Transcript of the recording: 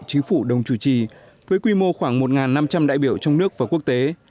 chính phủ đồng chủ trì với quy mô khoảng một năm trăm linh đại biểu trong nước và quốc tế